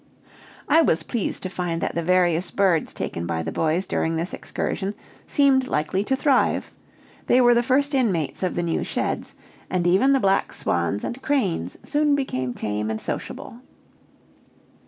I was pleased to find that the various birds taken by the boys during this excursion seemed likely to thrive; they were the first inmates of the new sheds, and even the black swans and cranes soon became tame and sociable.